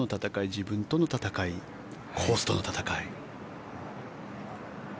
自分との戦いコースとの戦い。